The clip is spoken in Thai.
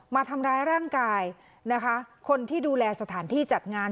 มาทำร้ายร่างกายนะคะคนที่ดูแลสถานที่จัดงาน